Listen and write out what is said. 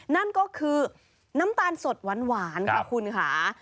นั่นก็คือน้ำตาลสดหวานค่ะคุณค่ะ